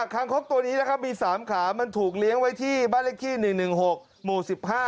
คางคกตัวนี้นะครับมี๓ขามันถูกเลี้ยงไว้ที่บ้านเลขที่๑๑๖หมู่๑๕